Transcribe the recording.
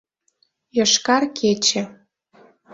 ЙОШКАР КЕЧЕ